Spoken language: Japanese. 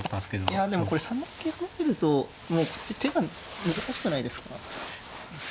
いやでもこれ３七桂入るともうこっち手が難しくないですか。